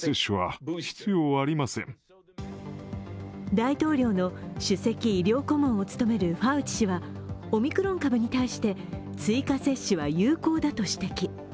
大統領の首席医療顧問を務めるファウチ氏はオミクロン株に対して追加接種は有効だと指摘。